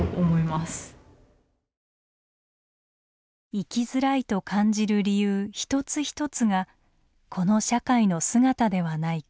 生きづらいと感じる理由一つ一つがこの社会の姿ではないか。